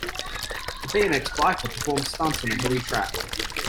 A BMX biker performs stunts on a hilly track.